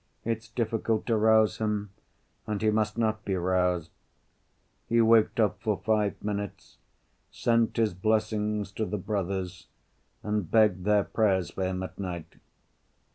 "It's difficult to rouse him. And he must not be roused. He waked up for five minutes, sent his blessing to the brothers, and begged their prayers for him at night.